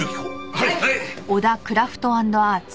はい！